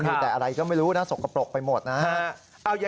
อาลีก็ไม่รู้นะสกปรกไปหมดนะฮะ